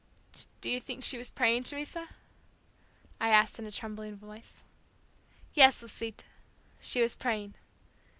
"Do you think she was praying, Teresa?" I asked in a trembling voice. "Yes, Lisita, she was praying.